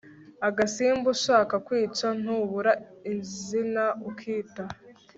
agasimba ushaka kwica ntubura izina ukita